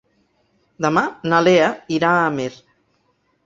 Demà na Lea irà a Amer.